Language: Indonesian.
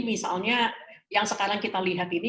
misalnya yang sekarang kita lihat ini